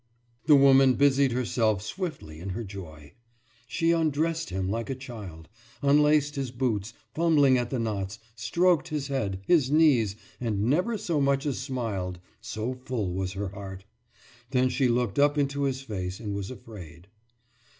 « The woman busied herself swiftly in her joy. She undressed him like a child, unlaced his boots, fumbling at the knots, stroked his head, his knees, and never so much as smiled so full was her heart. Then she looked up into his face and was afraid.